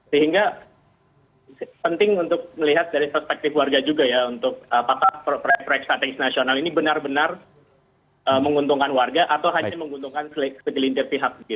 sehingga penting untuk melihat dari perspektif warga juga ya untuk apakah proyek proyek strategis nasional ini benar benar menguntungkan warga atau hanya menguntungkan segelintir pihak